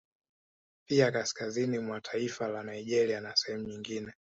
Pia kaskazini mwa taifa la Nigeria na sehemu nyigine